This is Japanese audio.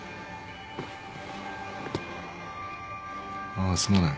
ああすまない。